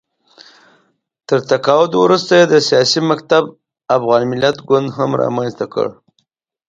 تر تقاعد وروسته یې د سیاسي مکتب افغان ملت ګوند هم رامنځته کړ